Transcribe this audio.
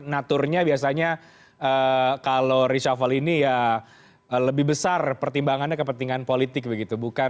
naturnya biasanya kalau reshuffle ini ya lebih besar pertimbangannya kepentingan politik begitu